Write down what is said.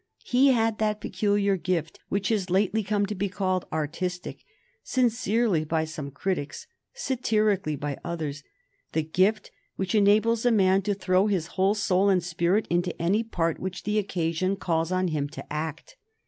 He had that peculiar gift which has lately come to be called "artistic" sincerely by some critics, satirically by others the gift which enables a man to throw his whole soul and spirit into any part which the occasion calls on him to act.